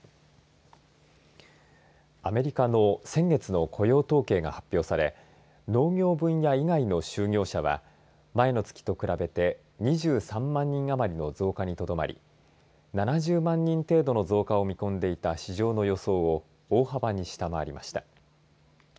アメリカの先月の雇用統計が発表され農業分野以外の就業者は前の月と比べて２３万人余りの増加にとどまり７０万人程度の増加を見込んでいた市場の予想を大幅に下回りました。